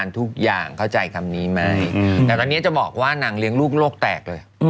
ตอนนี้จะบอกว่านางเลี้ยงลูกโลกแตกเลย